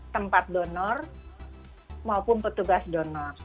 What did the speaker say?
tempat donor maupun petugas donor